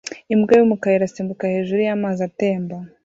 Imbwa y'umukara irasimbuka hejuru y'amazi atemba